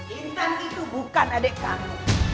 intan itu bukan adik kamu